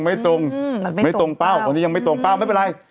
ไม่ตรงไม่ตรงเป้าคนนี้ยังไม่ตรงเป้าไม่เป็นไร